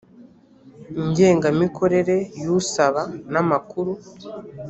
ngengamikorere y usaba n amakuru